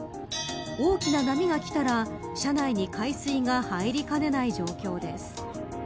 大きな波がきたら車内に海水が入りかねない状況です。